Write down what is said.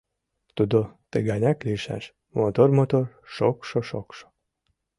Тудо тыганяк лийшаш: мотор-мотор, шокшо-шокшо.